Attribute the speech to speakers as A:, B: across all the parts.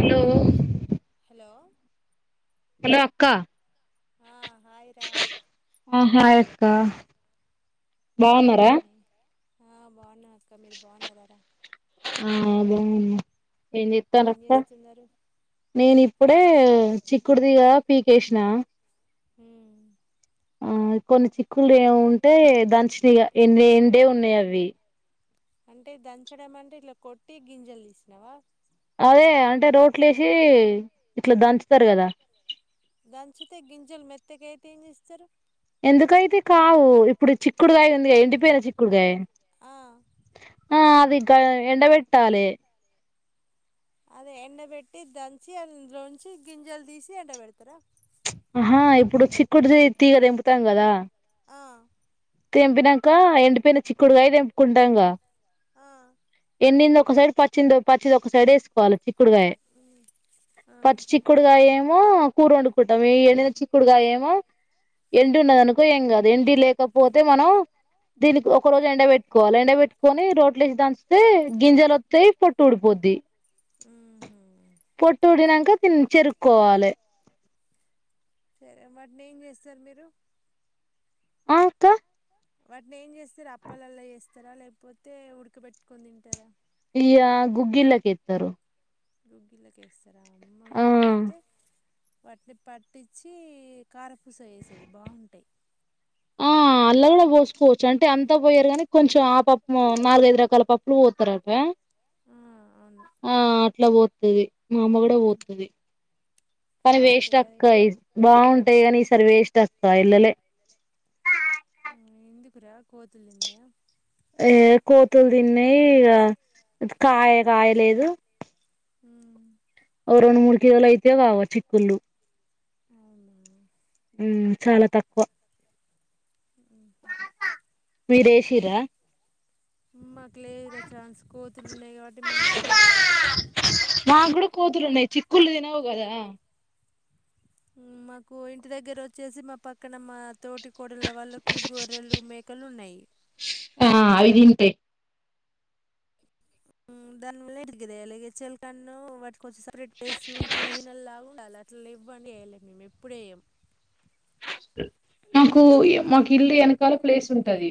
A: Hello
B: hello
A: hello అక్క
B: ఆ hi రా
A: ఆ హాయ్ అక్క బాగున్నారా
B: ఆ బాన్నా
A: ఆ బాగునం ఏం చెతానక్కా నేను ఇప్పుడే చిక్కుడుదిగా పీకేశినా
B: హ
A: ఆ కొన్ని చిక్కులు ఏ ఉంటే దంచిన ఇగ ఎండే ఉన్నాయి అవి
B: అంటే దంచడం అంటే ఇట్లా కొట్టి గింజలు తీసినవా
A: అదే అంటే రోట్లు వసి ఇట్లా దంచుతారు కదా
B: దంచితే గింజలు మెత్తగా అయితే ఏం చేస్తారు
A: ఎందుకైతే కావు ఇప్పుడు చిక్కుడుగాయి ఎండిపోయిన చిక్కుడు కాయ
B: ఆ
A: ఆ ఇక ఎండ వెట్టాలే
B: అదే ఎండ పెెట్టి దంచి అందు లోొంచి గింజాలు తీసి ఎండ పెడతారా
A: ఆహా ఇప్పుడు చిక్కుడు తీగద తెంపుతం కదా
B: ఆ
A: తెంపినాక ఎండిపోయిన చిక్కుడుకాయ తెంపుకుంటాంగా
B: ఆ
A: ఎన్నింది ఒక సైడ్ పచ్చింది పచ్చిది ఒక సైడ్ వేసుకోవాలి చిక్కుడుకాయ
B: ఉమ్
A: పచ్చ
B: ఆహా
A: చిక్కుడుకాయమో ఏమో కూర వండుకుంటాం ఈ ఎండిన చిక్కుడుగా ఏమో ఎండి ఉన్నద అనుకో ఏం కాదు ఎండి లేకపో పోతే మనం దీనికి ఒక రోజు ఎండ పెట్టుకోవాలి ఎండ పెట్టుకొని రోట్లేసి దాంచిే గింజలు వస్తాయి పొట్టు ఊడిపోద్ది
B: ఉహు
A: పొట్టుడినంక చెరుకోవాలి
B: సరే వాటిని ఏం చేస్తారు మీరు
A: ఆ అక్కా
B: వాటిని ఏం చేస్తారు అప్పలలా చేస్తారా లేకపోతే ఉడకబెట్టుకని తింటారా
A: ఇయ గుగ్గిలాక ఇత్తారు
B: గుగ్గియలేసి ఇర అమ్మ మమ్మీ అయితే వాట్ని పట్టించి కారపూస వేసేది బాగుంటాయి
A: అల్లా కూడా పోసుకోవచ్చు అంటే అంతా పోయారు కానీ కొంచెం ఆ పప్పు నాలుగైదు రకాల పప్పులు పోతారట
B: ఆ, అవును
A: ఆ అట్లా బో [unintelligible] మా అమ్మ కూడా పోతది కానీ వేస్ట్
B: బాగుంటాయి అది
A: అక్కాయి బాగుంటాయి
B: ఆ,
A: కాని సర్వే ఇష్ట అక్క ఇల్లలే
B: ఎందుకురా కోతులుడి
A: ఏ కోతులు తిన్నాయి కాయ కాయలేదు ఓ రెండు మూడు కిలోలు అయితేయో కావో చిక్కుళ్లుు
B: అవునా
A: హుమ్ చాలా తక్కువ
B: [inaudible]
A: మీరేేశిరా
B: మా లేదు రా ఛాన్స్ కోతులు ఉన్నాయి కాబట్టి మేము వేయాలే
A: మాకు కూడా కోతులు ఉన్నాయి చిక్కుళ్ళు తినవు కదా
B: మాకు ఇంటి దగ్గర వచ్చేసి మా పక్కన మా తోటి కోడల వాళ్లకు గొర్రెలు, మేకలు ఉన్నాయి.
A: ఆ అవి ఇంతే
B: హు [unintelligible] కన్ను వట్టుకొచ్చి [unintelligible] ఇట్లానాల అట్లా ఇవ్వండి వేయలే మేము ఎప్పుడ వేయము
A: స నాకు మాకు ఇల్లు వెనకాల ప్లేస్ ఉంటాది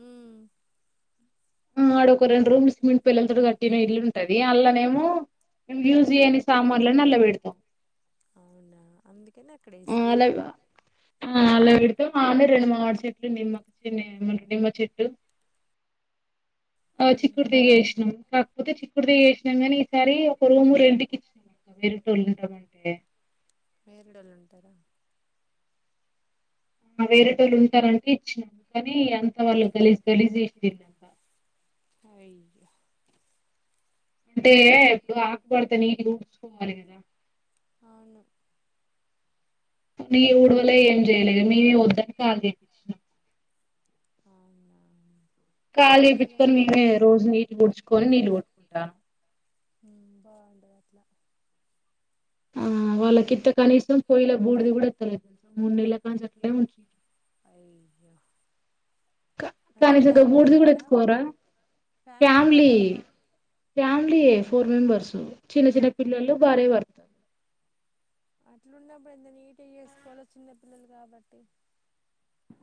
B: హు
A: ఆ ఆడ ఒక రెండు రూమ్ సిమింట్ పిల్లలతో కట్టిన ఇల్లు ఉంటది అల్లానేమోము యూజ్ చేయని సామాన్లని అలా పెడతాం.
B: అవునా అం
A: హుఆలా ఇడుత ఆన్న రెండు మాడు చెట్లు నిమ్మ చి నిమ్మ చెట్టు ఆ
B: మ్మ్
A: చక్కుడు దిగి వేసినం కాకపోతే చిక్కుడు దిగ వేసినాం నీ ఈసారి ఒక రూమ్ రెంకి ఇచ్చిన వేరే టోళ్ళ ఉంటామంటే
B: వేరడ వాళ్ళు ఉంటారా
A: ఆ వేరేటోళ్ళు ఉంటారంటే ఇచ్చినాము కానీ అంత వాళ్ళు గలీ గలీజు చిసిర్రు అంత
B: అయ్యో
A: అంటే ఎప్పుడు ఆకుబడితే ఊడ్చుకోవాలి కదా
B: అవును
A: ఈ ఊడవలె ఏం చేయ్యలేగా మీమే వద్దని కాలో చెప్పిచ్చినము
B: అవునా
A: కాలీ
B: ఇల్లం
A: చేపించుకొని మిమే రోజు ఊడ్చు కుంటమ్ కోని నీళ్ళు కొట్టుకుంటాను
B: బాగుంటది అట్లా
A: ఆ వాళ్ళకింత కనీసం పొయ్యిలో బూడిది కూడా ఎత్తలేదు తెలు మూడు నెళ్ల కాడా నుంచి అట్లే నుకిర్రు
B: అయ్యే
A: కానీసం భూడిది కూడా
B: కదా
A: ఎత్తుకోరా ఫ్యామిలీ ఫ్యామిలి య ఫోర్ మెంబర్స్ చిన్న చిన్న పిల్లలు భార్య భర్త
B: అట్లున్నప్పుడు ఎంత నీటీ గా చేసుకోవాలో చిన్నపిల్లలు కాబట్టి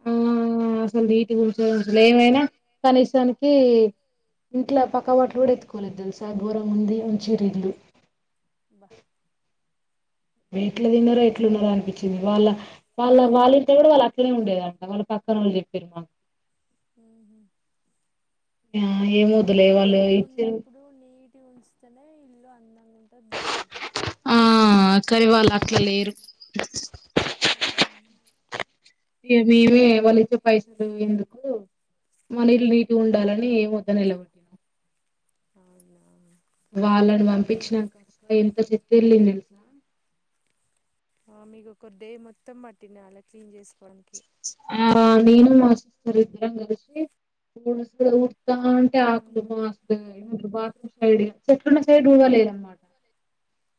A: ఆ అసలు నీటి కూల్చ అసలు ఏమైనా కనీసానికి ఇంట్లో పక్క వాట్లు కూడా ఎత్తుకోలేదు తెలుసా ఘోరం ఉంది మంచిరీల్లు
B: బా
A: ఎట్లా తిన్నారో ఎట్లు ఉన్నారో అనిపించింది వాళ్ళ వాళ్ళ వాళ్ళింట కూడా వాళ్ళు అక్కడ ఉండేదంట వాళ్ళు పక్కన వాళ్ళు చెప్పారు మాకు
B: ఉహు
A: ఆ ఏ ముదలే వాళ్ళు ఇచ్చ
B: నీటుగాఉంచితేనె ఇల్లు అందం బగుంటే బాగుంటాది.
A: ఆ కానీ వాళ్ళు లేరు
B: హు
A: మేమే వాళ్ళు ఇచ్చే పైసలు ఎందుకు మన ఇళ్ళు నీటి ఉండాలని ఏమీ వద్దని ఎల్లగొట్టినం
B: అవునా
A: వాళ్ళని పంపించినా కాక ఎంత చెతిళ్ళి నిలుసా
B: ఆ మీకు ఒక డే మొత్తం పట్టిండాలా క్లీన్ చేసుకోవడానికి
A: ఆ నేను మాహస్బెండ్ కలిసి ఉడుస్ కా అంటే ఆకుదు మాస్తు బాత్ర సైడ్ చెట్లున్న సైడ్ ఊడవలేదన్నమాట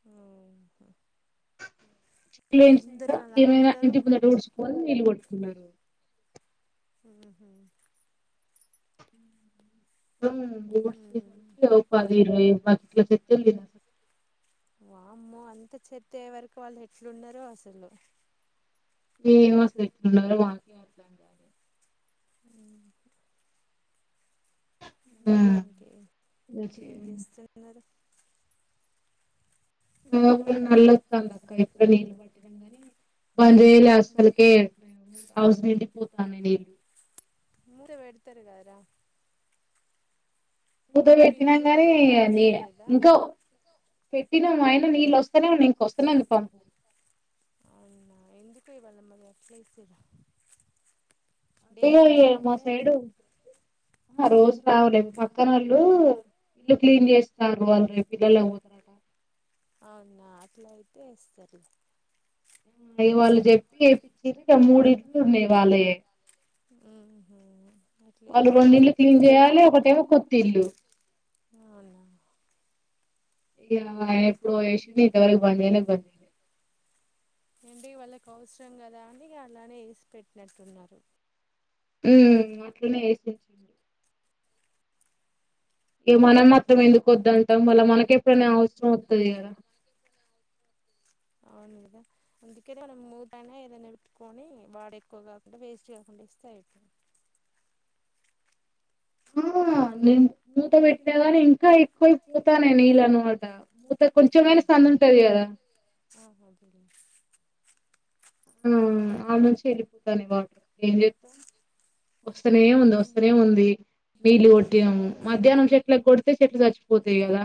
B: ఉ
A: [unintelligible]
B: అలా ఉండరు
A: ఏమైనాంటికింద ఊడుచు కోవాలా నీలు కొ కున్నరు
B: ఆహ ఉహు
A: ఊ [unintelligible] పద [inaudible]
B: వామ్మో అంత చేతే ఏ వరకు వాళ్ళు ఎట్లున్నారో అసలు
A: ఎం అసలు ఎట్లా ఉన్నారో వాళ్ళకే తెలియాలి
B: అ ఇంకే ఇంకేం
A: ఆ
B: చేస్తున్నారు
A: ఆ నల్లొస్తుంది అక్క ఎప్పుడ నీళ్ళు పట్టినా కాని బంచేయాలె అసకె హౌస్ నిండి పోతున్ అండి నీరు
B: మూర పెడ్తారు కదరా
A: మూత
B: అంటే మీకు
A: పెట్టినా
B: మూత
A: కానీ
B: పెట్టే
A: ని
B: ఆప్షన్ లేదా
A: ఇంకా పెట్టినా ఆయన నీళ్ళు వస్తనే న ఇంకొస్తేనే అందుకు పం
B: ఎందుకో ఇవి అన్ని [inaudible]
A: ఇంకో ఇగ అ మా సైడు ఆ రోజు రావలే పక్కన వాళ్ళు ఇల్లు క్లీన్ చేస్తారు వాళ్ళు పిల్లలుపోతే
B: అవునా అట్లా అయితే సరే
A: అ వాళ్ళు చెప్పి ఎపించిరు మూడిడ్లు ఉన్నాయి వాళ్ళయే
B: హ్మ్
A: వాళ్ళు రెండు ఇల్లు క్లిన్ చేయాలి ఒకటేమో కొత్ ఇల్లు
B: అవునా
A: ఇక ఆయన ఎప్పుడో చేసిండు ఇంతవరకు బంద్ చేయలే [unintelligible]
B: ఎంటి వాళ్ళకు అవసరం కదా అని అలానే వేసిపెట్టినట్టున్నారు
A: హ్మ్ అట్లనే వేసింది ఏ మనం మాత్రం
B: ఉమ్.
A: ఎందుకు వద్దదు అంటాం మళ్ళ మనక ఎప్పుడైనా అవసరం త్తలే కద
B: అవును కదా అందుకనే మనం మూతైన ఏదైనా పెట్టుకొని వాాడ ఎక్కువ కాకుండా వేస్ట్ కాకుండా ఇస్తే అయి
A: ఆ నేను మూత పెట్టినా ని ఇంకా ఎక్కువై పోతా న నీళ్ళ అనమాట మూత కొంచెమైన సందు ఉంటది కదా
B: ఆ అదేలే
A: హ్మ్ హ్మ్ అడా నుంచి వెళ్ళిపోతానయి వాటర్ ఏం చేతం వస్తనే ఉంది
B: ఏం
A: వస్తనే ఉంది నీళ్లు కొట్టినాము మధ్యాహ్నం చెట్ల కొడితే చెట్లు చచ్చిపోతాయి కదా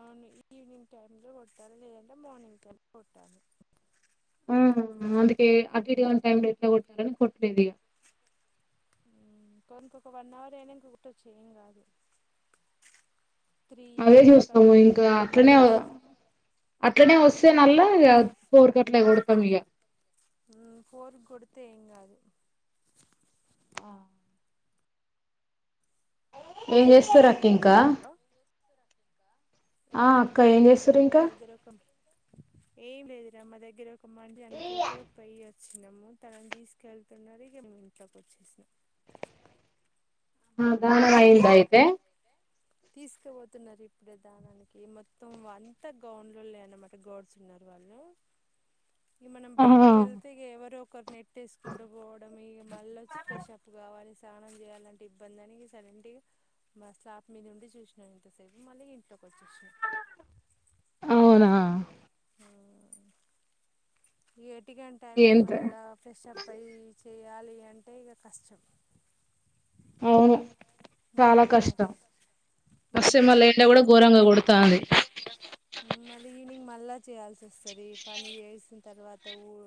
B: అవును ఈవినింగ్ టైం లో కొట్టాలి లేదంటే మార్నింగ్ లో కొట్టాలి
A: ఆహ అందుకే అటు ఇటు కానీ టైం లో ఎట్లా కొట్టాలని కొట్టలేదు ఇగ
B: కొంకొక వన్ అవర్ అయినాంక కోట్టచ్చు ఏం కాదు త్రీ
A: అవే
B: ఫోర్
A: చూస్తాము
B: అట్లా
A: ఇంకా అట్లనే ఇట్ననే వస్తే నల్ల ఇగ ఫోరుకట్ల కొడతాం ఇగ
B: పోరు కొడితే ఏం కాదు
A: ఏం చేస్తురు అ ఇంకా ఆ అక్క
B: ఏంవుందిరా ఏం
A: చేస్తారు
B: లేదు
A: ఇంకా
B: భైదరకం ఏం లేదు రా మ్మ దగ్గర ఒ ఒక మని చనిపోతే పోయి వచ్చినాము తనను తీసుకెళ్తున్నారు ఇగ మేము ఇంట్లోకి వచ్చేసినాం
A: ఆహ దానం అయిందా అయితే
B: తీసుకుపోతున్నారు ఇప్పుడే దానానికి మొత్తం అంతా గౌన్లో లే అనమాట గౌడ్స్ ఉన్నరు వాళ్ళు ఈ మనం
A: ఆహా
B: బయటికి కెళ్తే ఎవరో ఒకరు నెట్టేస్కుంటు పోవడం ఇగ మళ్ళ వచ్చి ఫ్రెష్ అప్ కావాలి స్నానం చేయాలంటే ఇబ్బంది అని సైలెంట్గా మ స్లా మీది నుండి చూసినా ఇంతసేపు మళ్ళీ ఇంట్లో వచ్చేసిన
A: ఆ
B: ఇగా ఎట్ ఎట్టికాని టైంలో
A: ఎంత
B: మళ్ళ ఫ్రెష్ అప్ అయి చేయాలి అంటే ఇగ కష్టం
A: అవును చాలా కష్టం మస్మ లే ఎండ కూడా ఘోరంగా కొడుతంది
B: మళ్ళ ఈవినింగ్ మళ్ళా చేయాల్సి వస్తుంది పని చేసిన తర్వాత ఊ